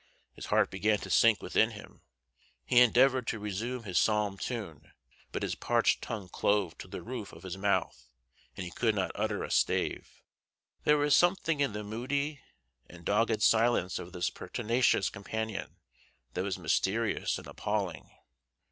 His heart began to sink within him; he endeavored to resume his psalm tune, but his parched tongue clove to the roof of his mouth and he could not utter a stave. There was something in the moody and dogged silence of this pertinacious companion that was mysterious and appalling.